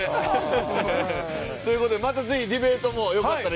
という事でまたぜひディベートもよかったら。